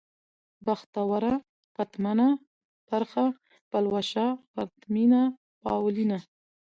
بختوره ، پتمنه ، پرخه ، پلوشه ، پرتمينه ، پاولينه